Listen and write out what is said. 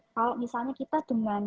kalau misalnya kita dengan